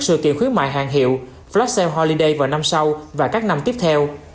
sự kiện khuyến mại hàng hiệu flash sale holiday vào năm sau và các năm tiếp theo